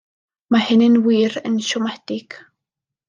Mae hynna wir yn siomedig.